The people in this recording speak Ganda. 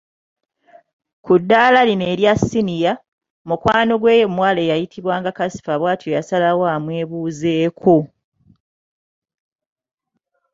Ku ddaala lino erya ssiniya, Mukwano gwe omuwala eyayitibwanga Kasifa bwatyo yasalawo amwebuuzeeko.